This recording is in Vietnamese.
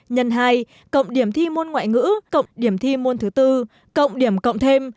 nhân hai cộng điểm thi môn ngoại ngữ cộng điểm thi môn thứ tư cộng điểm cộng thêm